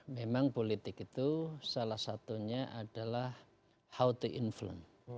memang politik itu salah satunya adalah how to influence